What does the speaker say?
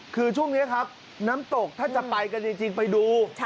คือช่วงนี้ครับน้ำตกถ้าจะไปกันจริงไปดู